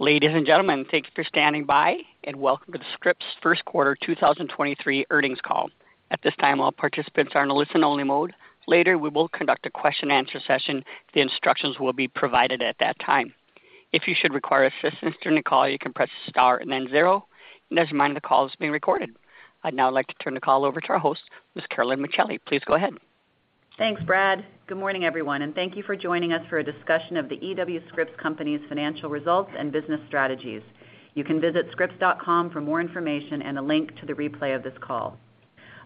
Ladies and gentlemen, thank you for standing by, welcome to the Scripps 1st quarter 2023 earnings call. At this time, all participants are in a listen-only mode. Later, we will conduct a question answer session. The instructions will be provided at that time. If you should require assistance during the call, you can press Star and then zero. As a reminder, the call is being recorded. I'd now like to turn the call over to our host, Ms. Carolyn Micheli. Please go ahead. Thanks, Brad. Good morning, everyone, and thank you for joining us for a discussion of The E.W. Scripps Company's financial results and business strategies. You can visit scripps.com for more information and a link to the replay of this call.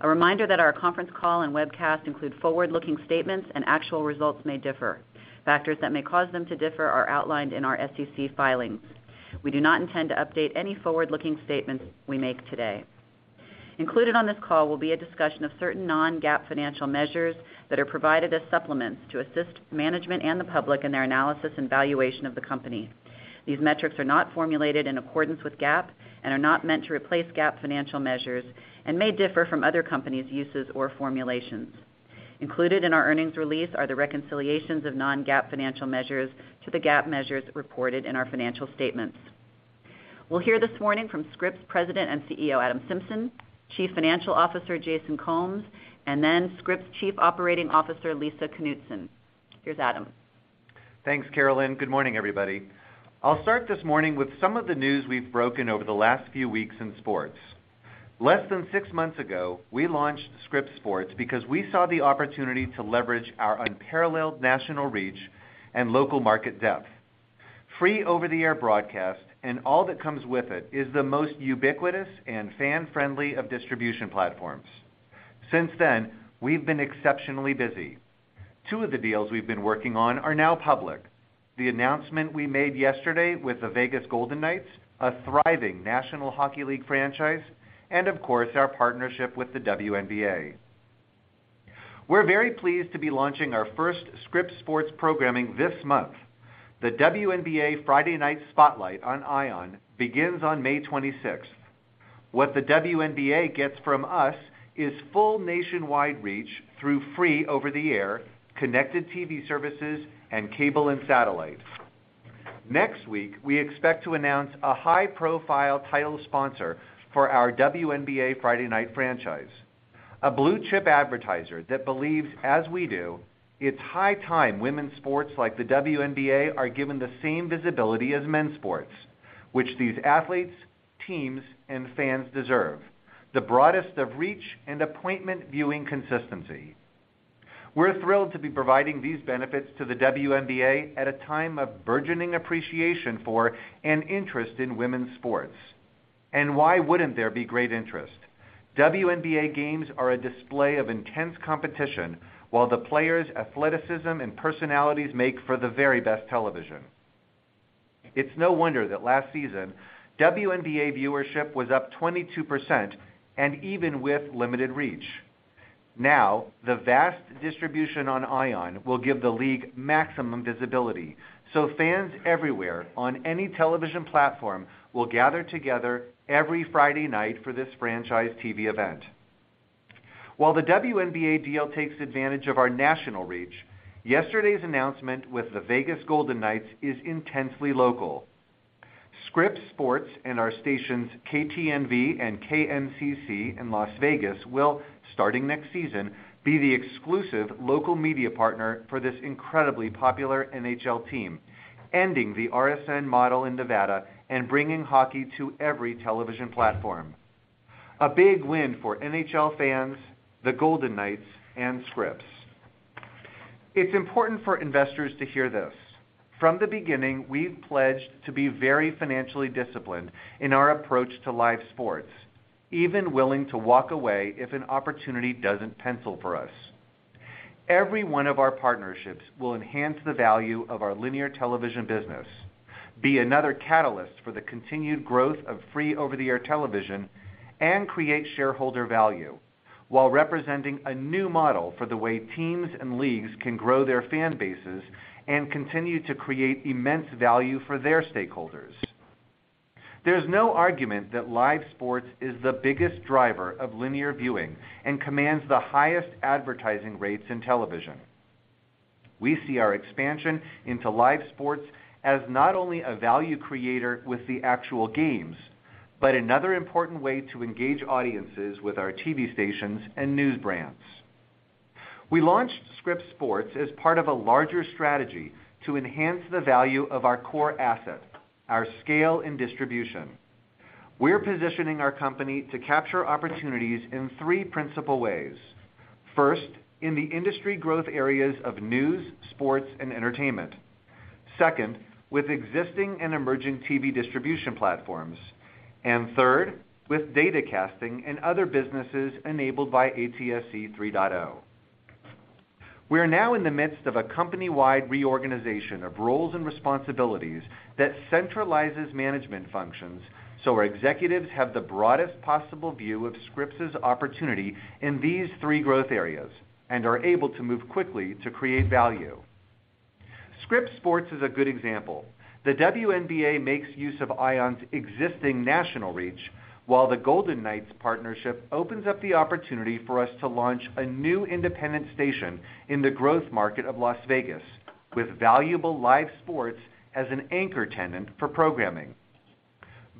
A reminder that our conference call and webcast include forward-looking statements, and actual results may differ. Factors that may cause them to differ are outlined in our SEC filings. We do not intend to update any forward-looking statements we make today. Included on this call will be a discussion of certain Non-GAAP financial measures that are provided as supplements to assist management and the public in their analysis and valuation of the company. These metrics are not formulated in accordance with GAAP and are not meant to replace GAAP financial measures and may differ from other companies' uses or formulations. Included in our earnings release are the reconciliations of Non-GAAP financial measures to the GAAP measures reported in our financial statements. We'll hear this morning from Scripps President and CEO, Adam Symson, Chief Financial Officer, Jason Combs, and then Scripps Chief Operating Officer, Lisa Knutson. Here's Adam. Thanks, Carolyn. Good morning, everybody. I'll start this morning with some of the news we've broken over the last few weeks in sports. Less than six months ago, we launched Scripps Sports because we saw the opportunity to leverage our unparalleled national reach and local market depth. Free over-the-air broadcast and all that comes with it is the most ubiquitous and fan-friendly of distribution platforms. Since then, we've been exceptionally busy. Two of the deals we've been working on are now public. The announcement we made yesterday with the Vegas Golden Knights, a thriving National Hockey League franchise, and of course, our partnership with the WNBA. We're very pleased to be launching our first Scripps Sports programming this month. The WNBA Friday Night Spotlight on ION begins on May 26th. What the WNBA gets from us is full nationwide reach through free over-the-air, connected TV services, and cable and satellite. Next week, we expect to announce a high-profile title sponsor for our WNBA Friday night franchise, a blue-chip advertiser that believes as we do, it's high time women's sports like the WNBA are given the same visibility as men's sports, which these athletes, teams, and fans deserve, the broadest of reach and appointment viewing consistency. We're thrilled to be providing these benefits to the WNBA at a time of burgeoning appreciation for an interest in women's sports. Why wouldn't there be great interest? WNBA games are a display of intense competition, while the players' athleticism and personalities make for the very best television. It's no wonder that last season, WNBA viewership was up 22% and even with limited reach. The vast distribution on ION will give the league maximum visibility, so fans everywhere on any television platform will gather together every Friday night for this franchise TV event. While the WNBA deal takes advantage of our national reach, yesterday's announcement with the Vegas Golden Knights is intensely local. Scripps Sports and our stations, KTNV and KMCC in Las Vegas will, starting next season, be the exclusive local media partner for this incredibly popular NHL team, ending the RSN model in Nevada and bringing hockey to every television platform. A big win for NHL fans, the Golden Knights, and Scripps. It's important for investors to hear this. From the beginning, we've pledged to be very financially disciplined in our approach to live sports, even willing to walk away if an opportunity doesn't pencil for us. Every one of our partnerships will enhance the value of our linear television business, be another catalyst for the continued growth of free over-the-air television, and create shareholder value while representing a new model for the way teams and leagues can grow their fan bases and continue to create immense value for their stakeholders. There's no argument that live sports is the biggest driver of linear viewing and commands the highest advertising rates in television. We see our expansion into live sports as not only a value creator with the actual games, but another important way to engage audiences with our TV stations and news brands. We launched Scripps Sports as part of a larger strategy to enhance the value of our core asset, our scale, and distribution. We're positioning our company to capture opportunities in three principal ways. First, in the industry growth areas of news, sports, and entertainment. Second, with existing and emerging TV distribution platforms. Third, with data casting and other businesses enabled by ATSC 3.0. We are now in the midst of a company-wide reorganization of roles and responsibilities that centralizes management functions, so our executives have the broadest possible view of Scripps' opportunity in these three growth areas and are able to move quickly to create value. Scripps Sports is a good example. The WNBA makes use of ION's existing national reach. While the Golden Knights partnership opens up the opportunity for us to launch a new independent station in the growth market of Las Vegas with valuable live sports as an anchor tenant for programming.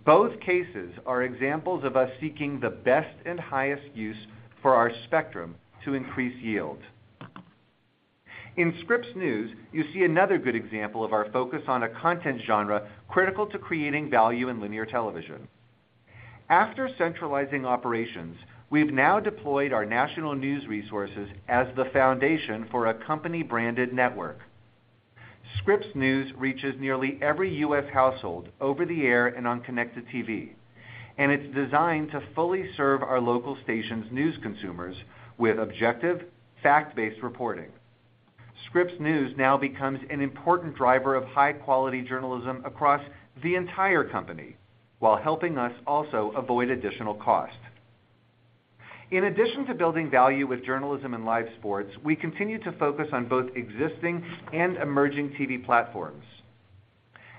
Both cases are examples of us seeking the best and highest use for our spectrum to increase yield. In Scripps News, you see another good example of our focus on a content genre critical to creating value in linear television. After centralizing operations, we've now deployed our national news resources as the foundation for a company-branded network. Scripps News reaches nearly every U.S. household over the air and on connected TV. It's designed to fully serve our local stations' news consumers with objective, fact-based reporting. Scripps News now becomes an important driver of high-quality journalism across the entire company while helping us also avoid additional cost. In addition to building value with journalism and live sports, we continue to focus on both existing and emerging TV platforms.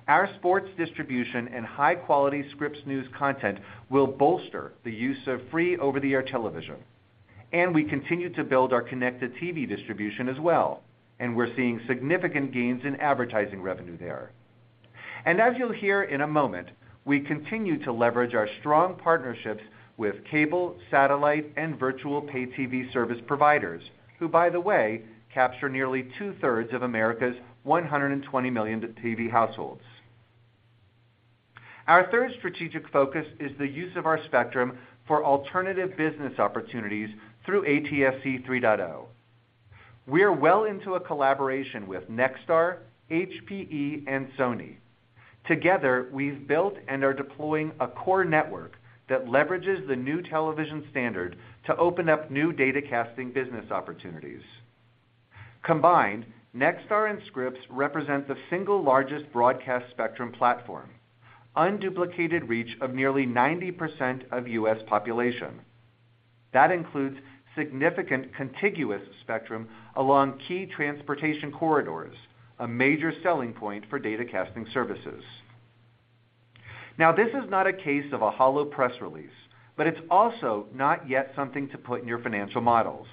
Our sports distribution and high-quality Scripps News content will bolster the use of free over-the-air television. We continue to build our connected TV distribution as well. We're seeing significant gains in advertising revenue there. As you'll hear in a moment, we continue to leverage our strong partnerships with cable, satellite, and virtual pay TV service providers, who, by the way, capture nearly two-thirds of America's 120 million TV households. Our third strategic focus is the use of our spectrum for alternative business opportunities through ATSC 3.0. We are well into a collaboration with Nexstar, HPE and Sony. Together, we've built and are deploying a core network that leverages the new television standard to open up new data casting business opportunities. Combined, Nexstar and Scripps represent the single largest broadcast spectrum platform, unduplicated reach of nearly 90% of U.S. population. That includes significant contiguous spectrum along key transportation corridors, a major selling point for data casting services. This is not a case of a hollow press release, but it's also not yet something to put in your financial models.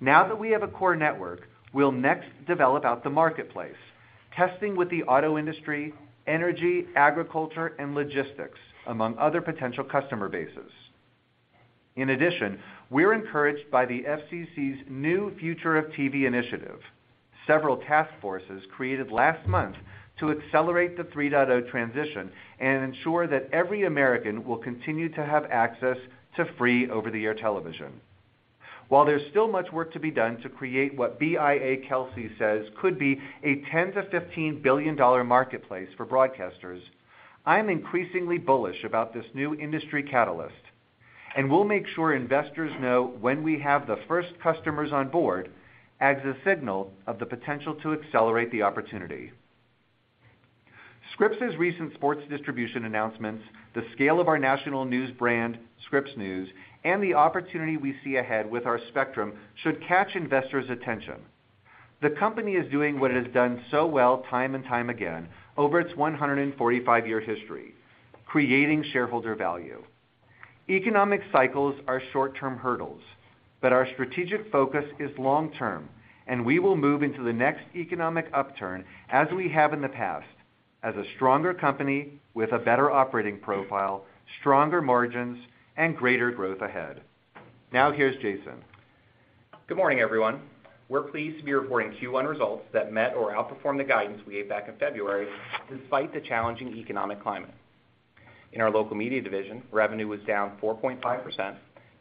Now that we have a core network, we'll next develop out the marketplace, testing with the auto industry, energy, agriculture, and logistics, among other potential customer bases. In addition, we're encouraged by the FCC's new Future of TV initiative, several task forces created last month to accelerate the 3.0 transition and ensure that every American will continue to have access to free over-the-air television. While there's still much work to be done to create what BIA/Kelsey says could be a $10 billion-$15 billion marketplace for broadcasters, I'm increasingly bullish about this new industry catalyst, and we'll make sure investors know when we have the first customers on board as a signal of the potential to accelerate the opportunity. Scripps' recent sports distribution announcements, the scale of our national news brand, Scripps News, and the opportunity we see ahead with our spectrum should catch investors' attention. The company is doing what it has done so well time and time again over its 145-year history, creating shareholder value. Economic cycles are short-term hurdles, but our strategic focus is long-term, and we will move into the next economic upturn as we have in the past, as a stronger company with a better operating profile, stronger margins, and greater growth ahead. Now here's Jason. Good morning, everyone. We're pleased to be reporting Q1 results that met or outperformed the guidance we gave back in February despite the challenging economic climate. In our local media division, revenue was down 4.5%,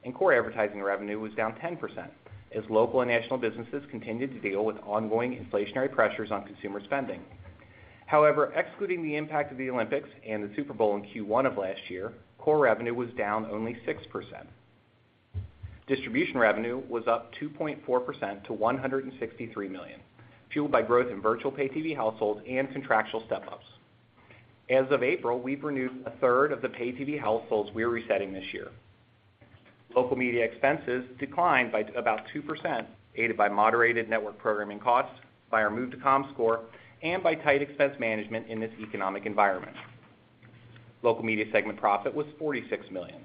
and core advertising revenue was down 10% as local and national businesses continued to deal with ongoing inflationary pressures on consumer spending. Excluding the impact of the Olympics and the Super Bowl in Q1 of last year, core revenue was down only 6%. Distribution revenue was up 2.4% to $163 million, fueled by growth in virtual pay TV households and contractual step-ups. As of April, we've renewed a third of the pay TV households we're resetting this year. Local media expenses declined by about 2%, aided by moderated network programming costs by our move to Comscore and by tight expense management in this economic environment. Local media segment profit was $46 million.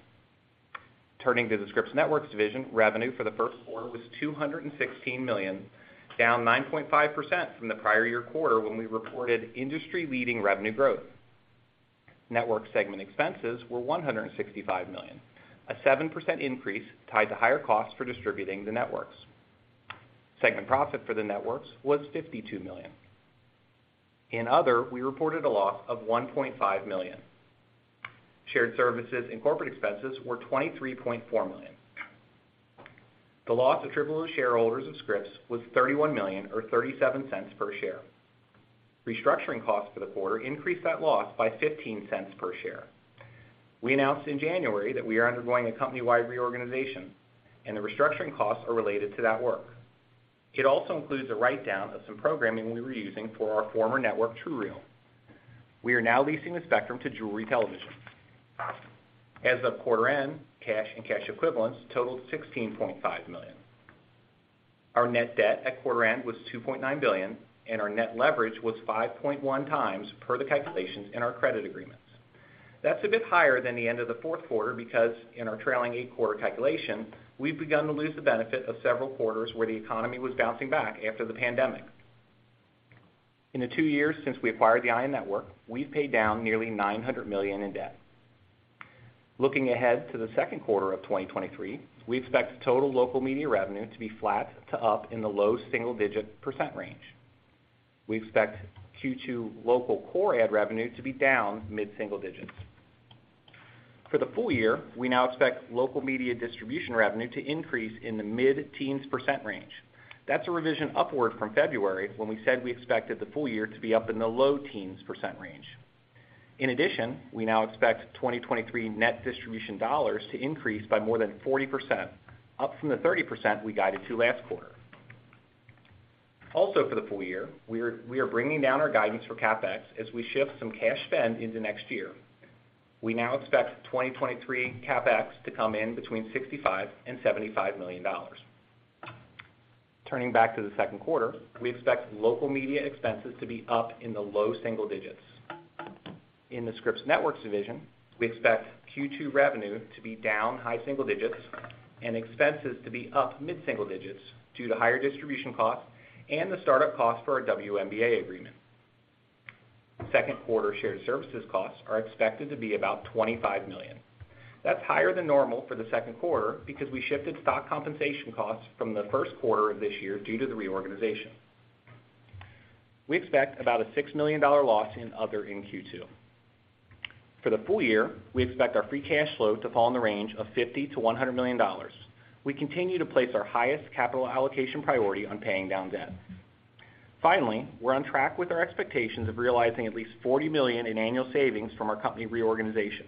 Turning to the Scripps Networks division, revenue for the first quarter was $216 million, down 9.5% from the prior year quarter when we reported industry-leading revenue growth. Network segment expenses were $165 million, a 7% increase tied to higher costs for distributing the networks. Segment profit for the networks was $52 million. In other, we reported a loss of $1.5 million. Shared services and corporate expenses were $23.4 million. The loss attributable to shareholders of Scripps was $31 million or $0.37 per share. Restructuring costs for the quarter increased that loss by $0.15 per share. We announced in January that we are undergoing a company-wide reorganization. The restructuring costs are related to that work. It also includes a write-down of some programming we were using for our former network, TrueReal. We are now leasing the spectrum to Jewelry Television. As of quarter end, cash and cash equivalents totaled $16.5 million. Our net debt at quarter end was $2.9 billion, and our net leverage was 5.1 times per the calculations in our credit agreements. That's a bit higher than the end of the fourth quarter because in our trailing eight-quarter calculation, we've begun to lose the benefit of several quarters where the economy was bouncing back after the pandemic. In the two years since we acquired the ION Network, we've paid down nearly $900 million in debt. Looking ahead to the second quarter of 2023, we expect total local media revenue to be flat to up in the low single-digit % range. We expect Q2 local core ad revenue to be down mid-single digit %. For the full year, we now expect local media distribution revenue to increase in the mid-teens % range. That's a revision upward from February when we said we expected the full year to be up in the low teens % range. In addition, we now expect 2023 net distribution dollars to increase by more than 40%, up from the 30% we guided to last quarter. Also for the full year, we are bringing down our guidance for CapEx as we shift some cash spend into next year. We now expect 2023 CapEx to come in between $65 million and $75 million. Turning back to the second quarter, we expect local media expenses to be up in the low single digits. In the Scripps Networks division, we expect Q2 revenue to be down high single digits and expenses to be up mid-single digits due to higher distribution costs and the start-up cost for our WNBA agreement. Second quarter shared services costs are expected to be about $25 million. That's higher than normal for the second quarter because we shifted stock compensation costs from the first quarter of this year due to the reorganization. We expect about a $6 million loss in other in Q2. For the full year, we expect our free cash flow to fall in the range of $50 million-$100 million. We continue to place our highest capital allocation priority on paying down debt. Finally, we're on track with our expectations of realizing at least $40 million in annual savings from our company reorganization.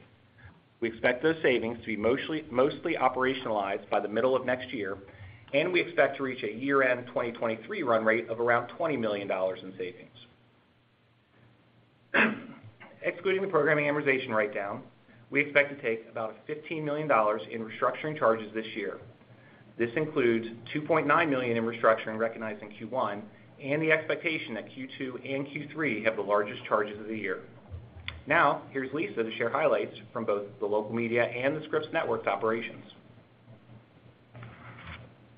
We expect those savings to be mostly operationalized by the middle of next year. We expect to reach a year-end 2023 run rate of around $20 million in savings. Excluding the programming amortization write-down, we expect to take about $15 million in restructuring charges this year. This includes $2.9 million in restructuring recognized in Q1 and the expectation that Q2 and Q3 have the largest charges of the year. Here's Lisa to share highlights from both the local media and the Scripps Networks operations.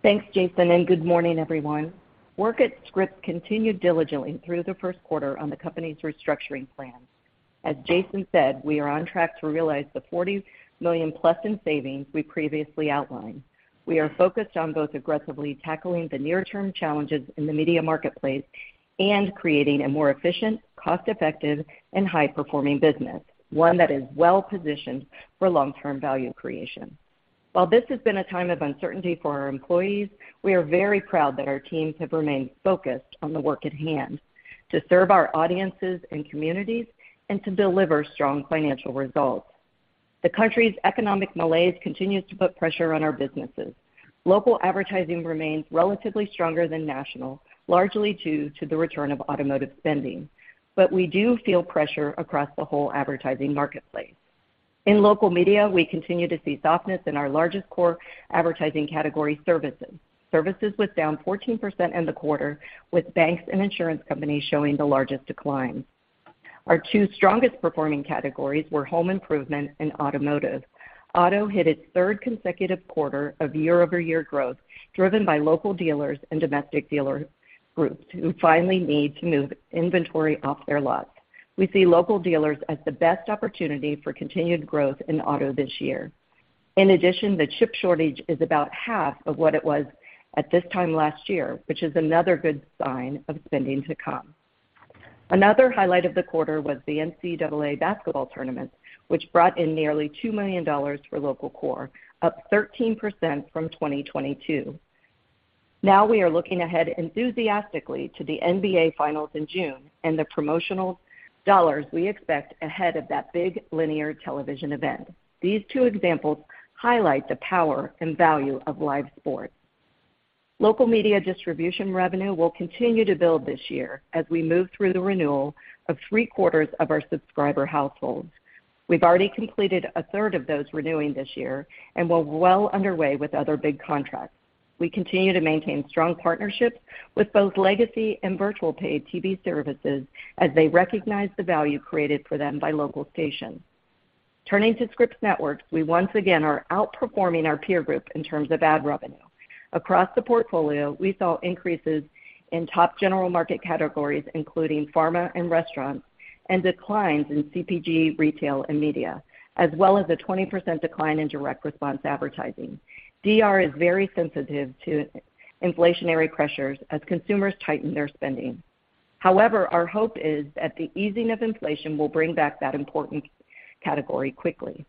Thanks, Jason. Good morning, everyone. Work at Scripps continued diligently through the first quarter on the company's restructuring plans. As Jason said, we are on track to realize the $40 million-plus in savings we previously outlined. We are focused on both aggressively tackling the near-term challenges in the media marketplace and creating a more efficient, cost-effective, and high-performing business, one that is well-positioned for long-term value creation. While this has been a time of uncertainty for our employees, we are very proud that our teams have remained focused on the work at hand to serve our audiences and communities and to deliver strong financial results. The country's economic malaise continues to put pressure on our businesses. Local advertising remains relatively stronger than national, largely due to the return of automotive spending, but we do feel pressure across the whole advertising marketplace. In local media, we continue to see softness in our largest core advertising category, services. Services was down 14% in the quarter, with banks and insurance companies showing the largest decline. Our two strongest performing categories were home improvement and automotive. Auto hit its third consecutive quarter of year-over-year growth, driven by local dealers and domestic dealer groups who finally need to move inventory off their lots. We see local dealers as the best opportunity for continued growth in auto this year. In addition, the chip shortage is about half of what it was at this time last year, which is another good sign of spending to come. Another highlight of the quarter was the NCAA basketball tournament, which brought in nearly $2 million for local core, up 13% from 2022. We are looking ahead enthusiastically to the NBA Finals in June and the promotional dollars we expect ahead of that big linear television event. These two examples highlight the power and value of live sports. Local media distribution revenue will continue to build this year as we move through the renewal of three-quarters of our subscriber households. We've already completed a third of those renewing this year and we're well underway with other big contracts. We continue to maintain strong partnerships with both legacy and virtual paid TV services as they recognize the value created for them by local stations. Turning to Scripps Networks, we once again are outperforming our peer group in terms of ad revenue. Across the portfolio, we saw increases in top general market categories, including pharma and restaurants, and declines in CPG, retail, and media, as well as a 20% decline in direct response advertising. DR is very sensitive to inflationary pressures as consumers tighten their spending. However, our hope is that the easing of inflation will bring back that important category quickly.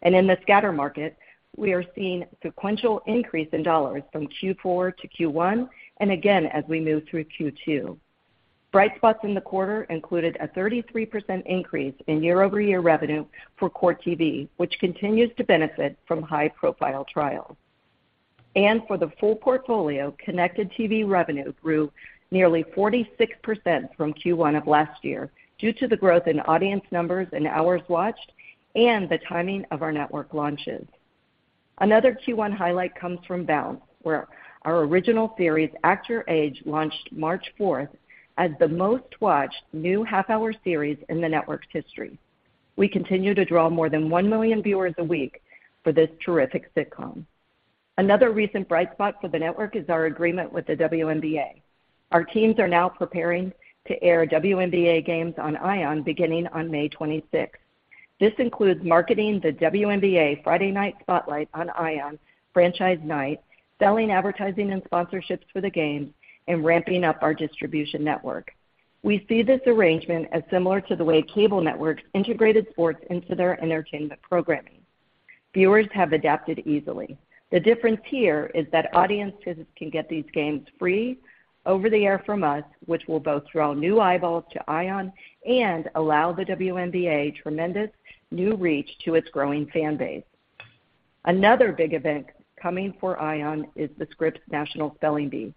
In the scatter market, we are seeing sequential increase in dollars from Q4 to Q1 and again as we move through Q2. Bright spots in the quarter included a 33% increase in year-over-year revenue for Court TV, which continues to benefit from high-profile trials. For the full portfolio, connected TV revenue grew nearly 46% from Q1 of last year due to the growth in audience numbers and hours watched and the timing of our network launches. Another Q1 highlight comes from Bounce, where our original series, Act Your Age, launched March 4 as the most watched new half-hour series in the network's history. We continue to draw more than one million viewers a week for this terrific sitcom. Another recent bright spot for the network is our agreement with the WNBA. Our teams are now preparing to air WNBA games on ION beginning on May 26th. This includes marketing the WNBA Friday Night Spotlight on ION, franchise night, selling advertising and sponsorships for the games, and ramping up our distribution network. We see this arrangement as similar to the way cable networks integrated sports into their entertainment programming. Viewers have adapted easily. The difference here is that audiences can get these games free over the air from us, which will both draw new eyeballs to ION and allow the WNBA tremendous new reach to its growing fan base. Another big event coming for ION is the Scripps National Spelling Bee.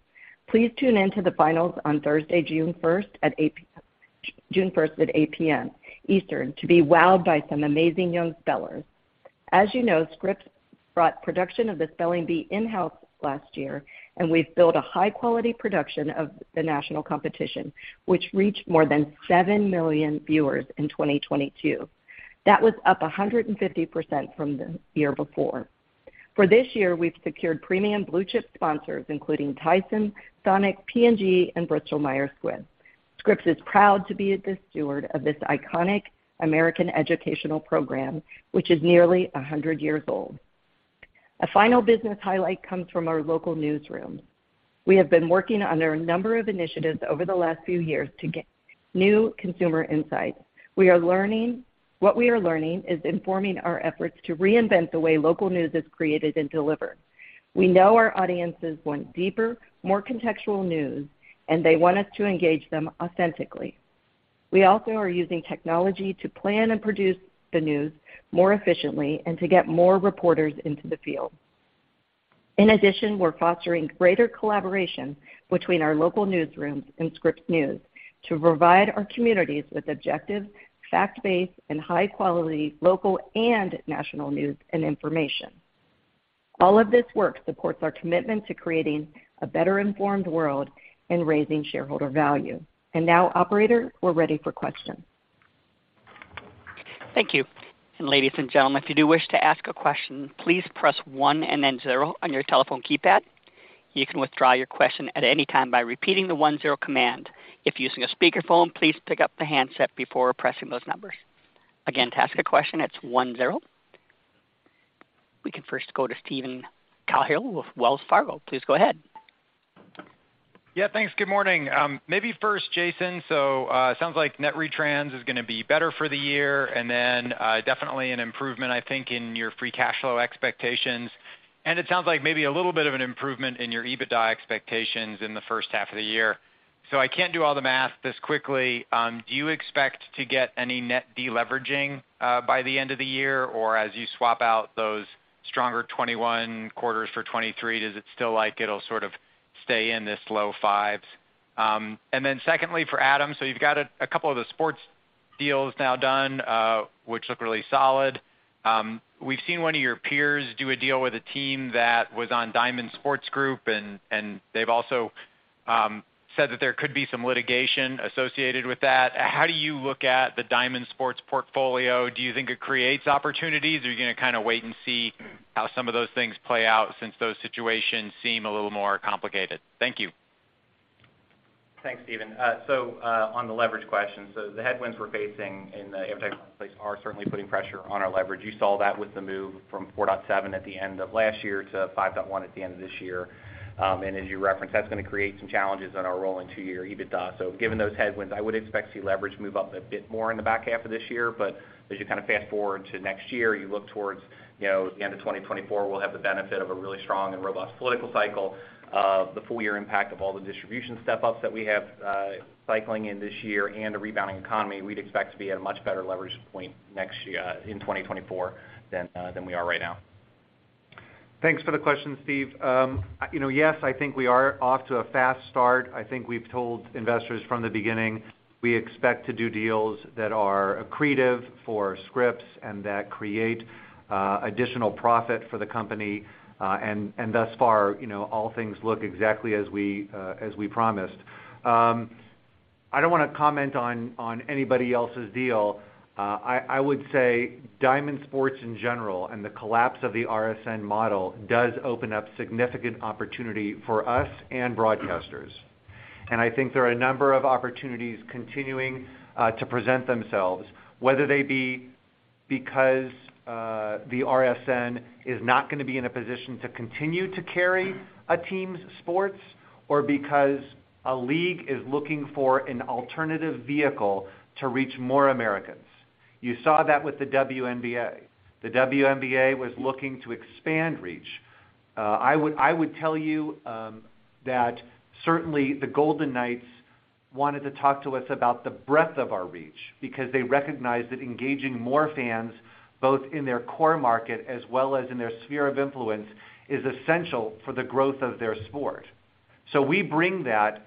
Please tune in to the finals on Thursday, June first at 8:00 P.M. Eastern to be wowed by some amazing young spellers. As you know, Scripps brought production of the spelling bee in-house last year, and we've built a high-quality production of the national competition, which reached more than seven million viewers in 2022. That was up 150% from the year before. For this year, we've secured premium blue-chip sponsors including Tyson, SONIC, P&G, and Bristol Myers Squibb. Scripps is proud to be the steward of this iconic American educational program, which is nearly 100 years old. A final business highlight comes from our local newsroom. We have been working under a number of initiatives over the last few years to get new consumer insights. What we are learning is informing our efforts to reinvent the way local news is created and delivered. We know our audiences want deeper, more contextual news, and they want us to engage them authentically. We also are using technology to plan and produce the news more efficiently and to get more reporters into the field. We're fostering greater collaboration between our local newsrooms and Scripps News to provide our communities with objective, fact-based, and high-quality local and national news and information. All of this work supports our commitment to creating a better-informed world and raising shareholder value. Now, operator, we're ready for questions. Thank you. Ladies and gentlemen, if you do wish to ask a question, please press one and then zero on your telephone keypad. You can withdraw your question at any time by repeating the one zero command. If using a speakerphone, please pick up the handset before pressing those numbers. Again, to ask a question, it's one zero. We can first go to Steven Cahall with Wells Fargo. Please go ahead. Yeah, thanks. Good morning. Maybe first, Jason. Sounds like net retrans is gonna be better for the year, definitely an improvement, I think, in your free cash flow expectations. It sounds like maybe a little bit of an improvement in your EBITDA expectations in the first half of the year. I can't do all the math this quickly. Do you expect to get any net deleveraging by the end of the year? Or as you swap out those stronger 21 quarters for 23, does it still like it'll sort of stay in this low 5s? Secondly, for Adam, you've got a couple of the sports deals now done, which look really solid. We've seen one of your peers do a deal with a team that was on Diamond Sports Group, and they've also said that there could be some litigation associated with that. How do you look at the Diamond Sports portfolio? Do you think it creates opportunities, or are you gonna kinda wait and see how some of those things play out since those situations seem a little more complicated? Thank you. Thanks, Steven. On the leverage question, the headwinds we're facing in the advertising marketplace are certainly putting pressure on our leverage. You saw that with the move from 4.7 at the end of last year to 5.1 at the end of this year. As you referenced, that's gonna create some challenges on our rolling 2-year EBITDA. Given those headwinds, I would expect to see leverage move up a bit more in the back half of this year. As you kind of fast-forward to next year, you look towards, you know, the end of 2024, we'll have the benefit of a really strong and robust political cycle, the full-year impact of all the distribution step-ups that we have, cycling in this year, and a rebounding economy. We'd expect to be at a much better leverage point next year, in 2024 than we are right now. Thanks for the question, Steve. You know, yes, I think we are off to a fast start. I think we've told investors from the beginning we expect to do deals that are accretive for Scripps and that create additional profit for the company. Thus far, you know, all things look exactly as we promised. I don't wanna comment on anybody else's deal. I would say Diamond Sports in general and the collapse of the RSN model does open up significant opportunity for us and broadcasters. I think there are a number of opportunities continuing to present themselves, whether they be because the RSN is not gonna be in a position to continue to carry a team's sports or because a league is looking for an alternative vehicle to reach more Americans. You saw that with the WNBA. The WNBA was looking to expand reach. I would tell you that certainly the Golden Knights wanted to talk to us about the breadth of our reach because they recognized that engaging more fans, both in their core market as well as in their sphere of influence, is essential for the growth of their sport. We bring that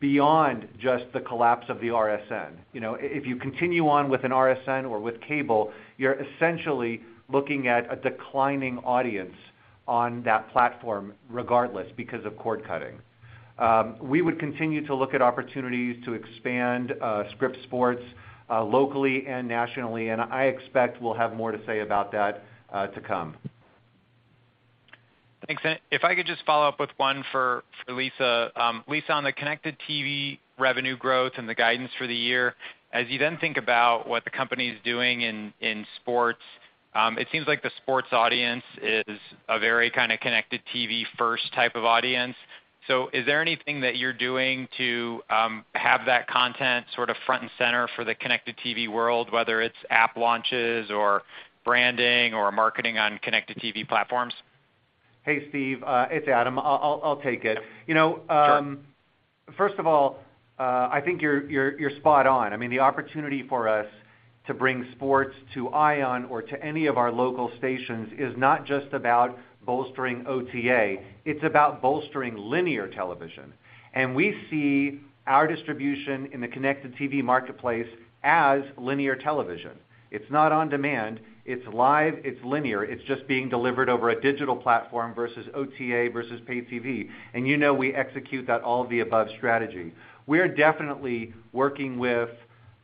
Beyond just the collapse of the RSN. You know, if you continue on with an RSN or with cable, you're essentially looking at a declining audience on that platform regardless because of cord cutting. We would continue to look at opportunities to expand Scripps Sports locally and nationally, and I expect we'll have more to say about that to come. Thanks. If I could just follow up with one for Lisa. Lisa, on the connected TV revenue growth and the guidance for the year, as you then think about what the company's doing in sports, it seems like the sports audience is a very kind of connected TV first type of audience. Is there anything that you're doing to have that content sort of front and center for the connected TV world, whether it's app launches or branding or marketing on connected TV platforms? Hey, Steve, it's Adam. I'll take it. You know. Sure. First of all, I think you're, you're spot on. I mean, the opportunity for us to bring sports to ION or to any of our local stations is not just about bolstering OTA, it's about bolstering linear television. We see our distribution in the connected TV marketplace as linear television. It's not on demand, it's live, it's linear, it's just being delivered over a digital platform versus OTA, versus paid TV. You know we execute that all of the above strategy. We're definitely working with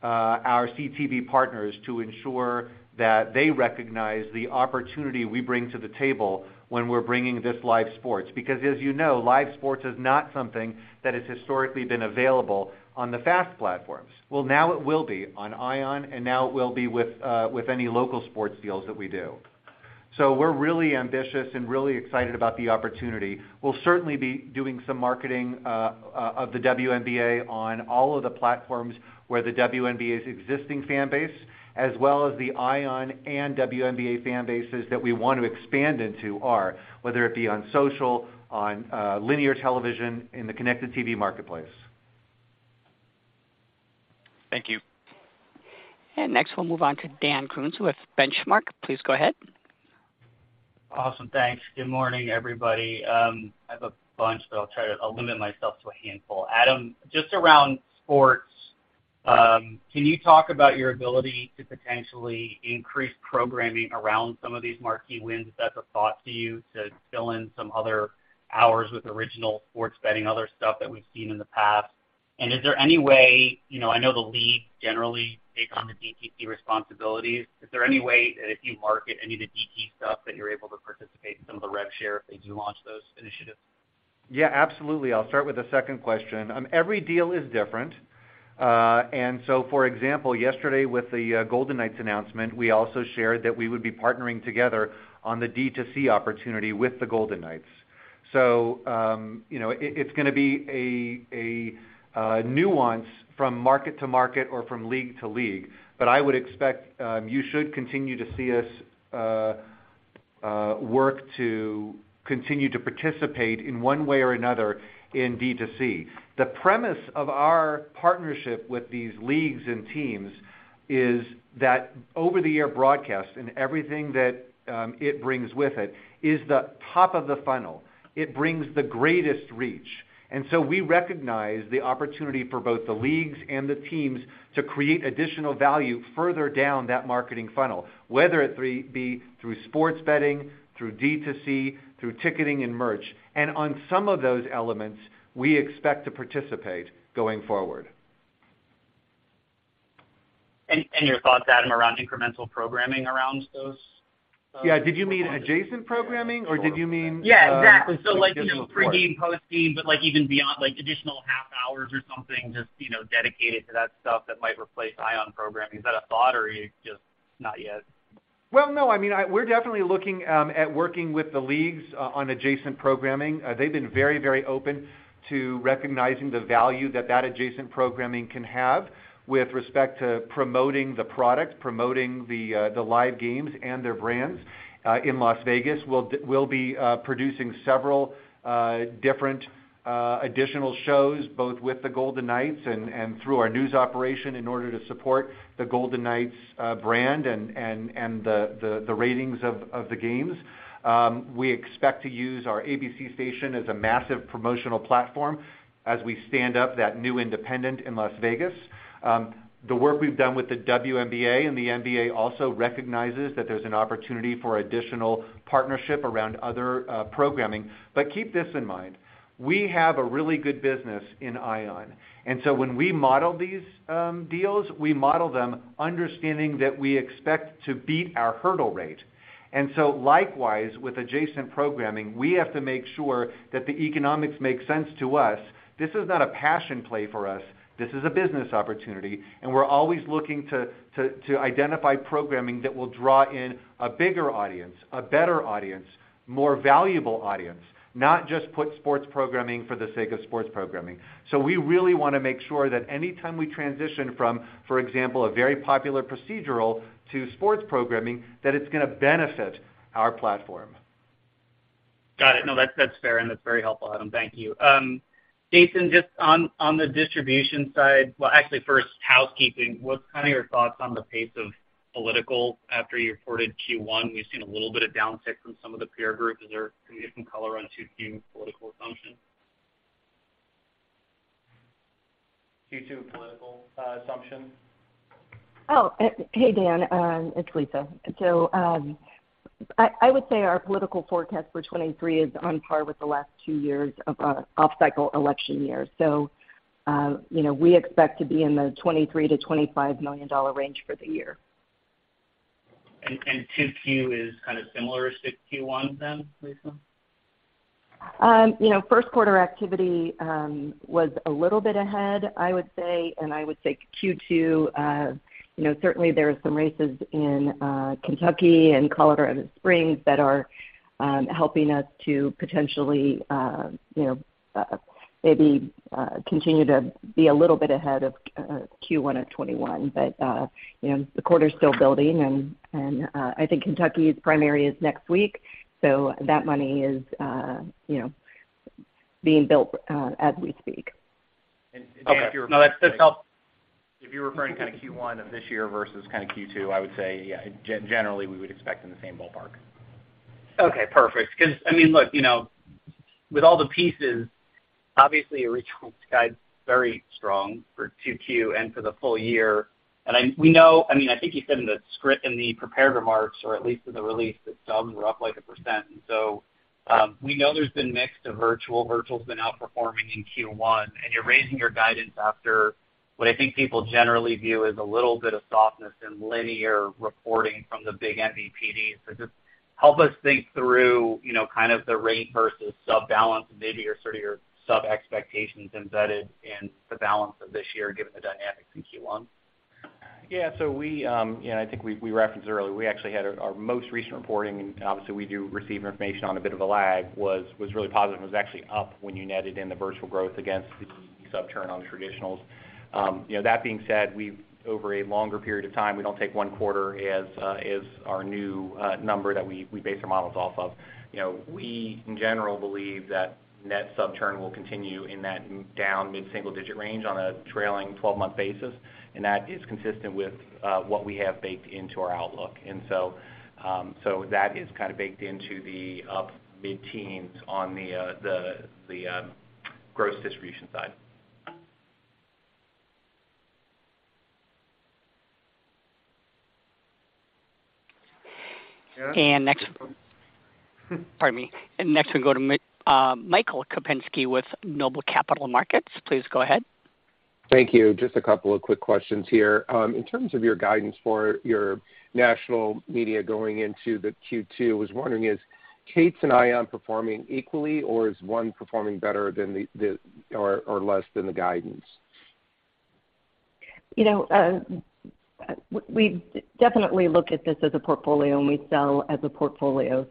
our CTV partners to ensure that they recognize the opportunity we bring to the table when we're bringing this live sports. As you know, live sports is not something that has historically been available on the FAST platforms. Now it will be on ION, now it will be with any local sports deals that we do. We're really ambitious and really excited about the opportunity. We'll certainly be doing some marketing of the WNBA on all of the platforms where the WNBA's existing fan base, as well as the ION and WNBA fan bases that we want to expand into are, whether it be on social, on, linear television in the connected TV marketplace. Thank you. Next, we'll move on to Dan Kurnos with Benchmark. Please go ahead. Awesome. Thanks. Good morning, everybody. I have a bunch, but I'll limit myself to a handful. Adam, just around sports, can you talk about your ability to potentially increase programming around some of these marquee wins, if that's a thought to you to fill in some other hours with original sports betting, other stuff that we've seen in the past? Is there any way, you know, I know the league generally take on the D2C responsibilities? Is there any way that if you market any of the D2C stuff that you're able to participate in some of the rev share if they do launch those initiatives? Absolutely. I'll start with the second question. Every deal is different. For example, yesterday with the Golden Knights announcement, we also shared that we would be partnering together on the D2C opportunity with the Golden Knights. You know, it's gonna be a nuance from market to market or from league to league, but I would expect you should continue to see us work to continue to participate in one way or another in D2C. The premise of our partnership with these leagues and teams is that over the air broadcast and everything that it brings with it is the top of the funnel. It brings the greatest reach. We recognize the opportunity for both the leagues and the teams to create additional value further down that marketing funnel, whether it be through sports betting, through D2C, through ticketing and merch. On some of those elements, we expect to participate going forward. Your thoughts, Adam, around incremental programming around those. Yeah. Did you mean adjacent programming or did you mean- Yeah, exactly. Just, you know, sports. Like, you know, pre-game, post-game, but like even beyond, like additional half hours or something just, you know, dedicated to that stuff that might replace ION programming. Is that a thought or are you just not yet? No, I mean, we're definitely looking at working with the leagues on adjacent programming. They've been very, very open to recognizing the value that that adjacent programming can have with respect to promoting the product, promoting the live games and their brands. In Las Vegas, we'll be producing several different additional shows, both with the Golden Knights and through our news operation in order to support the Golden Knights' brand and the ratings of the games. We expect to use our ABC station as a massive promotional platform as we stand up that new independent in Las Vegas. The work we've done with the WNBA and the NBA also recognizes that there's an opportunity for additional partnership around other programming. Keep this in mind, we have a really good business in ION, when we model these deals, we model them understanding that we expect to beat our hurdle rate. Likewise, with adjacent programming, we have to make sure that the economics make sense to us. This is not a passion play for us, this is a business opportunity, and we're always looking to identify programming that will draw in a bigger audience, a better audience, more valuable audience, not just put sports programming for the sake of sports programming. We really wanna make sure that any time we transition from, for example, a very popular procedural to sports programming, that it's gonna benefit our platform. Got it. No, that's fair, and that's very helpful, Adam. Thank you. Jason, just on the distribution side... Well, actually, first, housekeeping, what's kind of your thoughts on the pace of political after you reported Q1? We've seen a little bit of downside from some of the peer groups. Can you give some color on 2Q political assumptions? Q2 political, assumption? Hey, Dan. It's Lisa. I would say our political forecast for 2023 is on par with the last two years of off-cycle election year. you know, we expect to be in the $23 million-$25 million range for the year. 2Q is kind of similar to Q1 then, Lisa? You know, first quarter activity was a little bit ahead, I would say. I would say Q2, you know, certainly there are some races in Kentucky and Colorado Springs that are helping us to potentially, you know, maybe continue to be a little bit ahead of Q1 of 2021. You know, the quarter's still building, and I think Kentucky's primary is next week, so that money is, you know, being built as we speak. Dan. Okay. No, that, this helps. If you're referring kind of Q1 of this year versus kind of Q2, I would say, yeah, generally, we would expect in the same ballpark. Okay, perfect. 'Cause I mean, look, you know, with all the pieces, obviously your regional guide's very strong for 2Q and for the full year. I mean, I think you said in the script, in the prepared remarks, or at least in the release, that subs were up, like, 1%. We know there's been mix to virtual. Virtual's been outperforming in Q1. You're raising your guidance after what I think people generally view as a little bit of softness in linear reporting from the big MVPDs. Just help us think through, you know, kind of the rate versus sub balance and maybe your sort of your sub expectations embedded in the balance of this year, given the dynamics in Q1. Yeah. We, you know, I think we referenced earlier, we actually had our most recent reporting, obviously we do receive information on a bit of a lag, was really positive. It was actually up when you netted in the virtual growth against the sub turn on the traditionals. You know, that being said, over a longer period of time, we don't take one quarter as our new number that we base our models off of. You know, we, in general, believe that net sub turn will continue in that down mid-single digit range on a trailing 12-month basis, and that is consistent with what we have baked into our outlook. So that is kind of baked into the up mid-teens on the gross distribution side. Yeah. Pardon me. Next we go to Michael Kupinski with Noble Capital Markets. Please go ahead. Thank you. Just a couple of quick questions here. In terms of your guidance for your national media going into the Q2, I was wondering, is Katz and ION performing equally, or is one performing better than the or less than the guidance? You know, we definitely look at this as a portfolio, and we sell as a portfolio.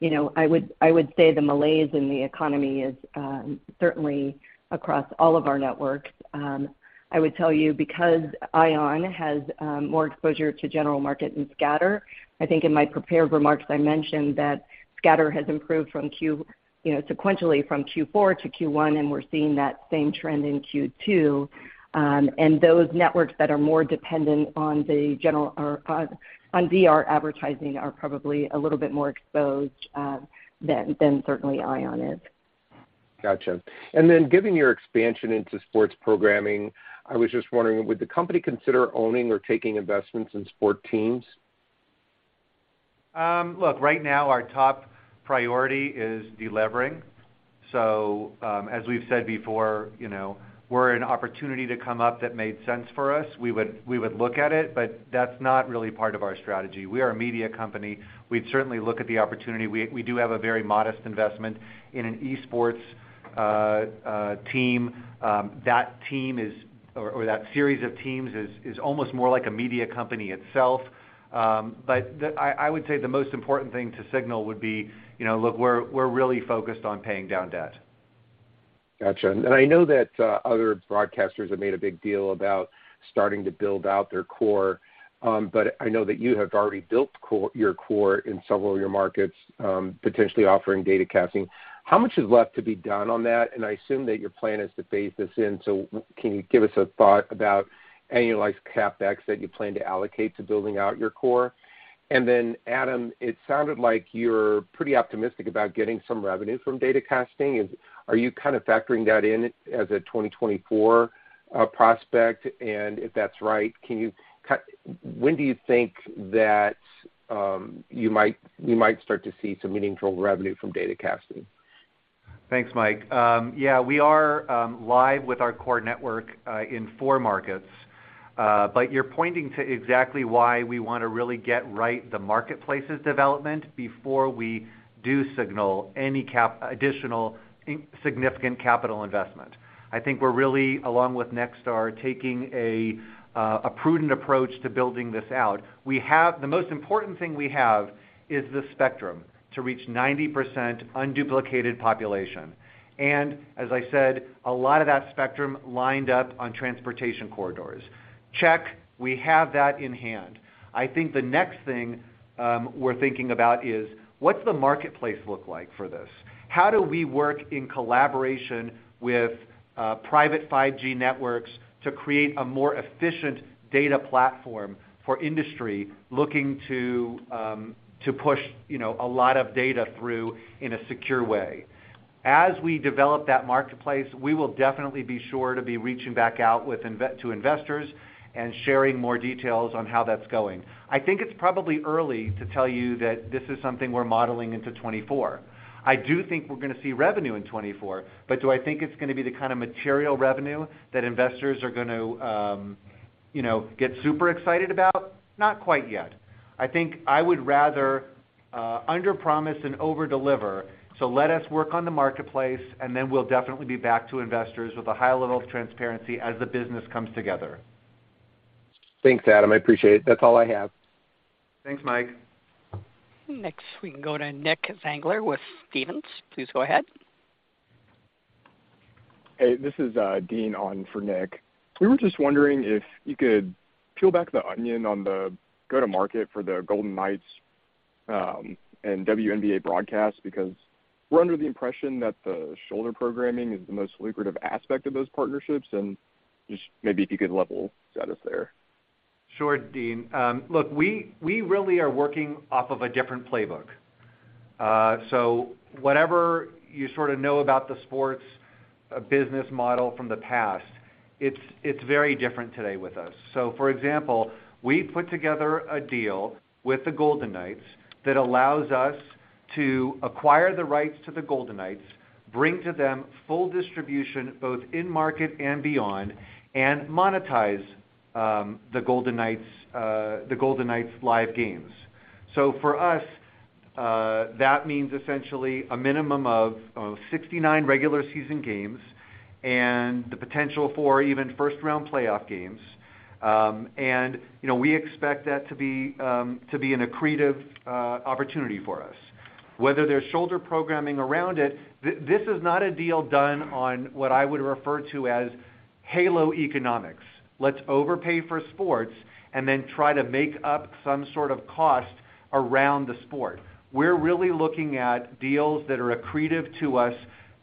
You know, I would say the malaise in the economy is certainly across all of our networks. I would tell you because ION has more exposure to general market and scatter, I think in my prepared remarks, I mentioned that scatter has improved sequentially from Q4 to Q1, and we're seeing that same trend in Q2. Those networks that are more dependent on the general or on VR advertising are probably a little bit more exposed, than certainly ION is. Gotcha. Given your expansion into sports programming, I was just wondering, would the company consider owning or taking investments in sport teams? Look, right now our top priority is delevering. As we've said before, you know, were an opportunity to come up that made sense for us, we would look at it, but that's not really part of our strategy. We are a media company. We'd certainly look at the opportunity. We do have a very modest investment in an esports team. That team is, or that series of teams is almost more like a media company itself. I would say the most important thing to signal would be, you know, look, we're really focused on paying down debt. Gotcha. I know that other broadcasters have made a big deal about starting to build out their core. I know that you have already built your core in several of your markets, potentially offering data casting. How much is left to be done on that? I assume that your plan is to phase this in, can you give us a thought about annualized CapEx that you plan to allocate to building out your core? Adam, it sounded like you're pretty optimistic about getting some revenue from data casting. Are you kind of factoring that in as a 2024 prospect? If that's right, can you when do you think that you might, we might start to see some meaningful revenue from data casting? Thanks, Mike. Yeah, we are live with our core network in four markets. You're pointing to exactly why we wanna really get right the marketplaces development before we do signal any significant capital investment. I think we're really, along with Nexstar, taking a prudent approach to building this out. The most important thing we have is the spectrum to reach 90% unduplicated population. As I said, a lot of that spectrum lined up on transportation corridors. Check, we have that in hand. I think the next thing we're thinking about is, what's the marketplace look like for this? How do we work in collaboration with private 5G networks to create a more efficient data platform for industry looking to push, you know, a lot of data through in a secure way? As we develop that marketplace, we will definitely be sure to be reaching back out to investors and sharing more details on how that's going. I think it's probably early to tell you that this is something we're modeling into 2024. I do think we're going to see revenue in 2024, but do I think it's going to be the kind of material revenue that investors are going to, you know, get super excited about? Not quite yet. I think I would rather underpromise and overdeliver. Let us work on the marketplace, and then we'll definitely be back to investors with a high level of transparency as the business comes together. Thanks, Adam. I appreciate it. That's all I have. Thanks, Mike. Next, we can go to Nick Zangler with Stephens. Please go ahead. This is Dean on for Nick. We were just wondering if you could peel back the onion on the go-to-market for the Golden Knights and WNBA broadcast because we're under the impression that the shoulder programming is the most lucrative aspect of those partnerships. Just maybe if you could level status there. Sure, Dean. Look, we really are working off of a different playbook. Whatever you sort of know about the sports business model from the past, it's very different today with us. For example, we put together a deal with the Golden Knights that allows us to acquire the rights to the Golden Knights, bring to them full distribution, both in market and beyond, and monetize the Golden Knights' live games. For us, that means essentially a minimum of 69 regular season games and the potential for even first-round playoff games. You know, we expect that to be to be an accretive opportunity for us. Whether there's shoulder programming around it, this is not a deal done on what I would refer to as halo economics. Let's overpay for sports and then try to make up some sort of cost around the sport. We're really looking at deals that are accretive to us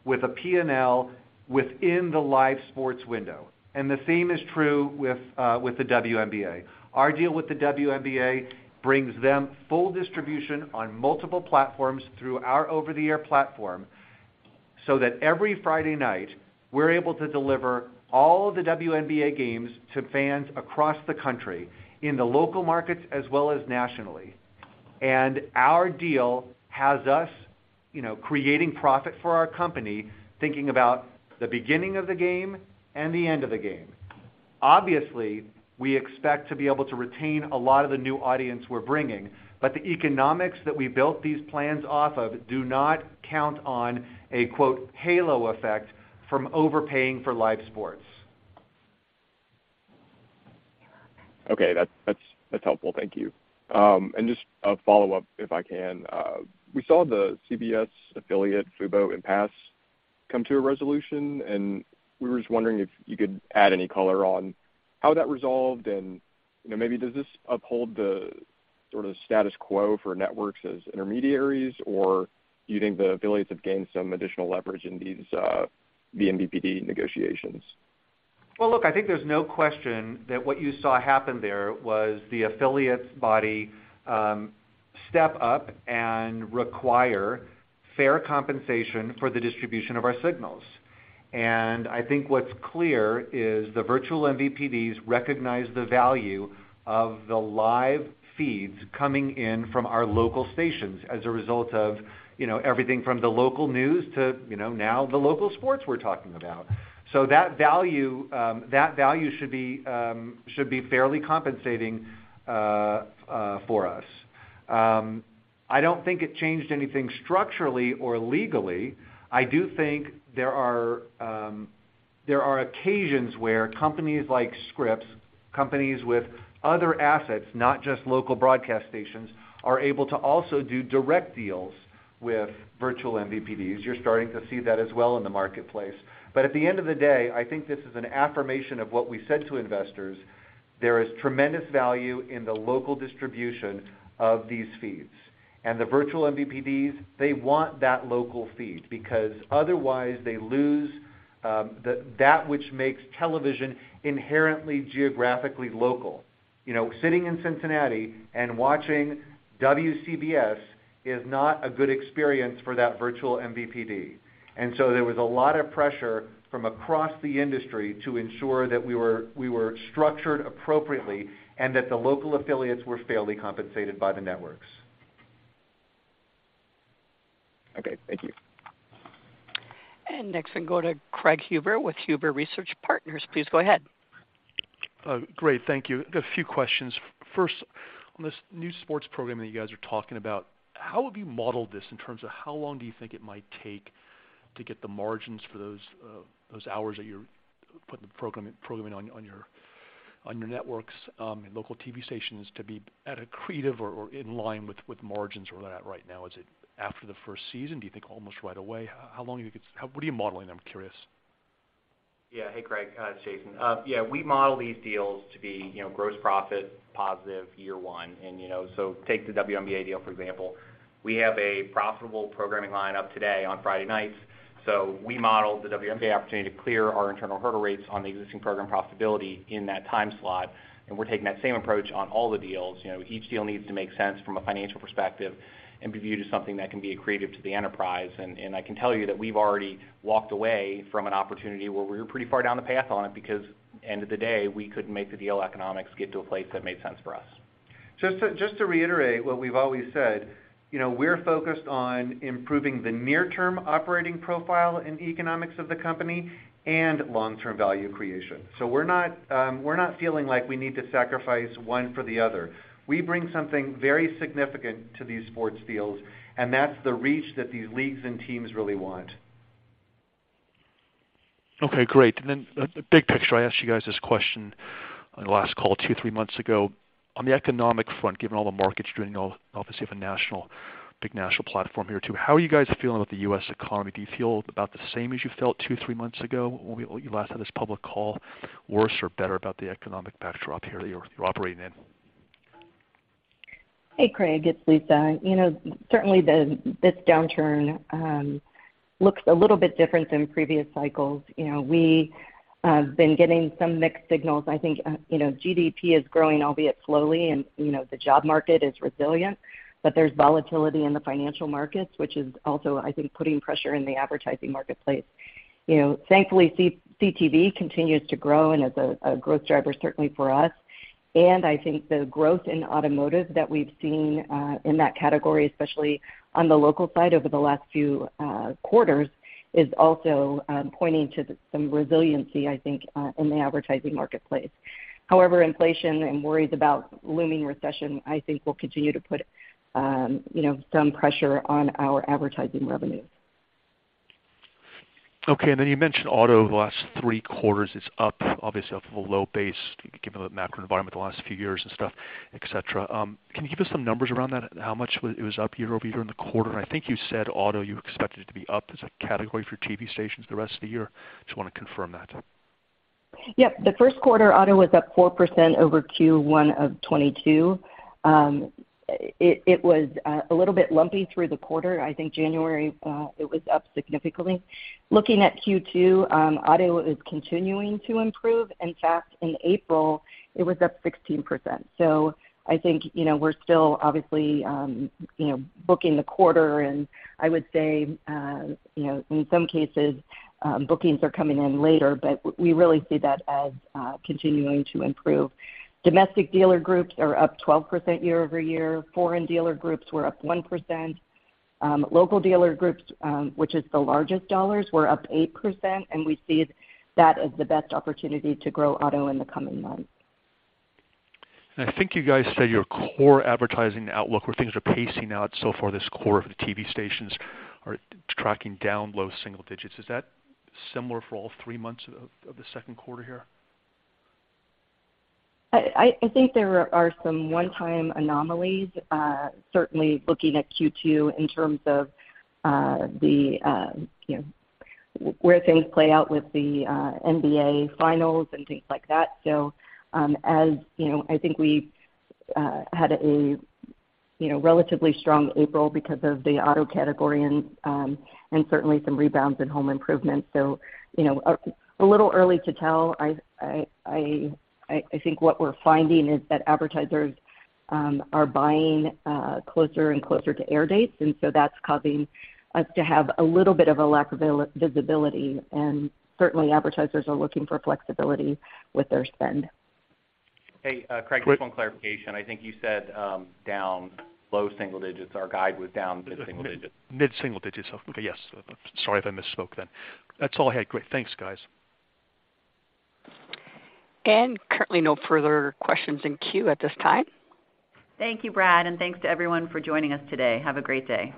with a P&L within the live sports window. The same is true with the WNBA. Our deal with the WNBA brings them full distribution on multiple platforms through our over-the-air platform, so that every Friday night, we're able to deliver all of the WNBA games to fans across the country in the local markets as well as nationally. Our deal has us, you know, creating profit for our company, thinking about the beginning of the game and the end of the game. We expect to be able to retain a lot of the new audience we're bringing, but the economics that we built these plans off of do not count on a, quote, halo effect from overpaying for live sports. Okay. That's helpful. Thank you. Just a follow-up if I can. We saw the CBS affiliate FuboTV impasse come to a resolution, and we were just wondering if you could add any color on how that resolved. You know, maybe does this uphold the sort of status quo for networks as intermediaries, or do you think the affiliates have gained some additional leverage in these vMVPD negotiations? Well, look, I think there's no question that what you saw happen there was the affiliates' body step up and require fair compensation for the distribution of our signals. I think what's clear is the virtual MVPDs recognize the value of the live feeds coming in from our local stations as a result of, you know, everything from the local news to, you know, now the local sports we're talking about. That value, that value should be fairly compensating for us. I don't think it changed anything structurally or legally. I do think there are occasions where companies like Scripps, companies with other assets, not just local broadcast stations, are able to also do direct deals with virtual MVPDs. You're starting to see that as well in the marketplace. At the end of the day, I think this is an affirmation of what we said to investors, there is tremendous value in the local distribution of these feeds. The virtual MVPDs, they want that local feed because otherwise they lose that which makes television inherently geographically local. You know, sitting in Cincinnati and watching WCBS-TV is not a good experience for that virtual MVPD. There was a lot of pressure from across the industry to ensure that we were structured appropriately and that the local affiliates were fairly compensated by the networks. Okay. Thank you. Next, we can go to Craig Huber with Huber Research Partners. Please go ahead. Great. Thank you. Got a few questions. First, on this new sports program that you guys are talking about, how have you modeled this in terms of how long do you think it might take to get the margins for those hours that you're putting the programming on your, on your networks, and local TV stations to be at accretive or in line with margins where they're at right now? Is it after the first season? Do you think almost right away? How long do you think it's... what are you modeling? I'm curious. Yeah. Hey, Craig. it's Jason. Yeah, we model these deals to be, you know, gross profit positive year one. You know, take the WNBA deal, for example. We have a profitable programming line up today on Friday nights, so we model the WNBA opportunity to clear our internal hurdle rates on the existing program profitability in that time slot, and we're taking that same approach on all the deals. You know, each deal needs to make sense from a financial perspective and be viewed as something that can be accretive to the enterprise. I can tell you that we've already walked away from an opportunity where we were pretty far down the path on it because end of the day, we couldn't make the deal economics get to a place that made sense for us. Just to reiterate what we've always said, you know, we're focused on improving the near-term operating profile and economics of the company and long-term value creation. We're not, we're not feeling like we need to sacrifice one for the other. We bring something very significant to these sports deals, and that's the reach that these leagues and teams really want. Okay, great. The big picture, I asked you guys this question on the last call two to three months ago. On the economic front, given all the markets doing, obviously have a big national platform here too. How are you guys feeling about the U.S. economy? Do you feel about the same as you felt two to three months ago when we last had this public call, worse or better about the economic backdrop here you're operating in? Hey, Craig, it's Lisa. You know, certainly this downturn looks a little bit different than previous cycles. You know, we have been getting some mixed signals. I think, you know, GDP is growing, albeit slowly, the job market is resilient. There's volatility in the financial markets, which is also, I think, putting pressure in the advertising marketplace. You know, thankfully, CTV continues to grow and is a growth driver certainly for us. I think the growth in automotive that we've seen in that category, especially on the local side over the last few quarters, is also pointing to some resiliency, I think, in the advertising marketplace. However, inflation and worries about looming recession, I think will continue to put, you know, some pressure on our advertising revenues. Okay. Then you mentioned auto over the last three quarters is up, obviously off of a low base given the macro environment the last few years and stuff, et cetera. Can you give us some numbers around that? How much it was up year-over-year in the quarter? I think you said auto, you expected it to be up as a category for TV stations the rest of the year. Just wanna confirm that. Yep. The first quarter, auto was up 4% over Q1 of 2022. It was a little bit lumpy through the quarter. I think January, it was up significantly. Looking at Q2, auto is continuing to improve. In fact, in April, it was up 16%. I think, you know, we're still obviously, you know, booking the quarter and I would say, you know, in some cases, bookings are coming in later, but we really see that as continuing to improve. Domestic dealer groups are up 12% year-over-year. Foreign dealer groups were up 1%. Local dealer groups, which is the largest dollars, were up 8%, and we see that as the best opportunity to grow auto in the coming months. I think you guys said your core advertising outlook where things are pacing out so far this quarter for the TV stations are tracking down low single digits. Is that similar for all three months of the second quarter here? I think there are some one-time anomalies, certainly looking at Q2 in terms of, you know, where things play out with the NBA finals and things like that. As you know, I think we had a, you know, relatively strong April because of the auto category and certainly some rebounds in home improvement. You know, a little early to tell. I think what we're finding is that advertisers are buying closer and closer to air dates. That's causing us to have a little bit of a lack of visibility, and certainly advertisers are looking for flexibility with their spend. Hey, Craig, just one clarification. I think you said, down low single digits. Our guide was down mid-single digits. Mid-single digits. Okay, yes. Sorry if I misspoke then. That's all I had. Great. Thanks, guys. Currently no further questions in queue at this time. Thank you, Brad, and thanks to everyone for joining us today. Have a great day.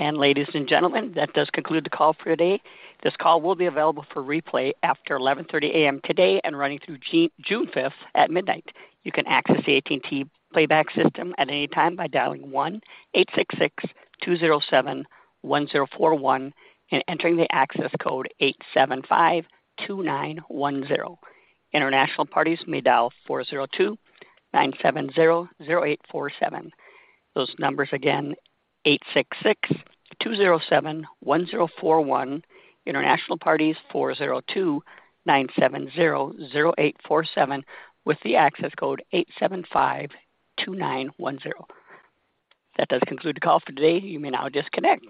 Ladies and gentlemen, that does conclude the call for today. This call will be available for replay after 11:30 A.M. today and running through June 5th at midnight. You can access the AT&T playback system at any time by dialing 1-866-207-1041 and entering the access code 8752910. International parties may dial 402-970-0847. Those numbers again, 1-866-207-1041. International parties, 402-970-0847 with the access code 8752910. That does conclude the call for today. You may now disconnect.